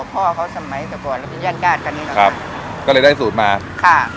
พ่อเขาสมัยสมัยแล้วก็ย่างกาลกันนี้นะคะครับก็เลยได้สูตรมาค่ะ